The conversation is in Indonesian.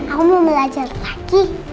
aku mau belajar lagi